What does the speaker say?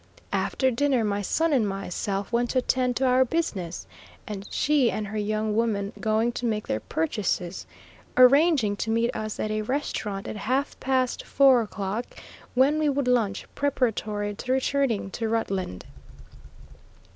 After dinner my son and myself went to attend to our business, she and her young woman going to make their purchases, and arranging to meet us at a restaurant at half past four o'clock, when we would lunch preparatory to returning to Rutland.